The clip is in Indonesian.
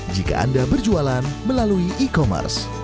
jika anda berjualan melalui e commerce